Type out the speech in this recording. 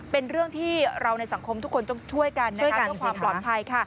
เป็นเรื่องที่เราในสังคมทุกคนต้องช่วยกันช่วยกันเพื่อความปลอดภัยค่ะ